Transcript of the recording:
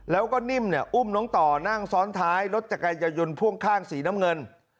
แล้วก็นิ่มเนี่ยอุ้มน้องต่อนั่งซ้อนท้ายรถจักรยายนพ่วงข้างสีน้ำเงิน